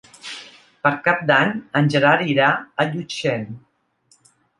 Per Cap d'Any en Gerard irà a Llutxent.